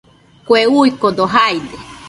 Kue uikode jaide